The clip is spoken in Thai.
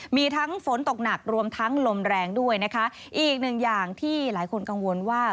มีทั้งฝนตกหนักรวมทั้งลมแรงด้วยนะคะอีกหนึ่งอย่างที่หลายคนกังวลว่า